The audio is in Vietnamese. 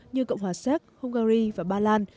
như cộng hòa xét hungary và ba lan